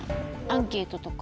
アンケートとか。